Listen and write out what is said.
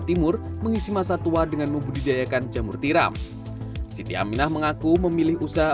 timur mengisi masa tua dengan membudidayakan jamur tiram siti aminah mengaku memilih usaha